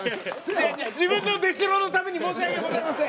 自分の出しろのために申し訳ございません。